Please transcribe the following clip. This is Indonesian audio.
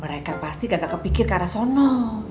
mereka pasti gagal kepikir ke arah sana